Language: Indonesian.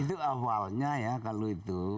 itu awalnya ya kalau itu